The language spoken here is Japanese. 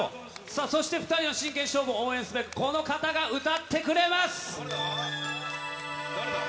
そして、２人の真剣勝負を応援すべく、この方が歌ってくれます。